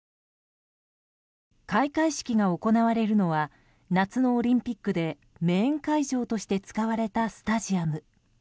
開会式が行われるのは夏のオリンピックでメーン会場として使われたスタジアム。